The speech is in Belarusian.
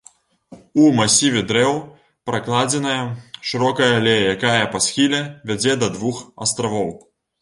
У масіве дрэў пракладзеная шырокая алея, якая па схіле вядзе да двух астравоў.